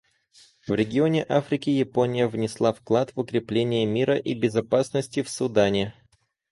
В регионе Африки Япония внесла вклад в укрепление мира и безопасности в Судане.